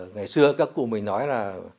ngày xưa các cụ mình nói là